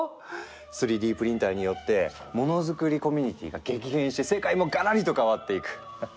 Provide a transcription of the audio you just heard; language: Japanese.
３Ｄプリンターによってモノづくりコミュニティーが激変して世界もガラリと変わっていく。